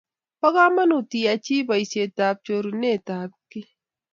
Po kamonut iyai chi poisyek ap cherunet ap key